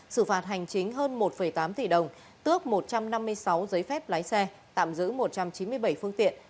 xử phạt hành chính hơn một tám tỷ đồng tước một trăm năm mươi sáu giấy phép lái xe tạm giữ một trăm chín mươi bảy phương tiện